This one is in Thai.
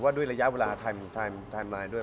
ว่าด้วยระยะเวลาไทม์ไลน์ด้วย